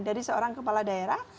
dari seorang kepala daerah